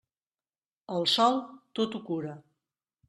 El sol, tot ho cura.